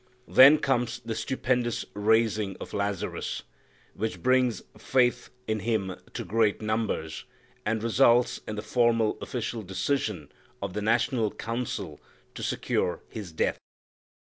Then comes the stupendous raising of Lazarus, which brings faith in Him to great numbers, and results in the formal official decision of the national council to secure His death.